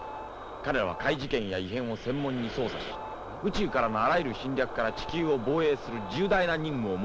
彼らは怪事件や異変を専門に捜査し宇宙からのあらゆる侵略から地球を防衛する重大な任務を持っていた。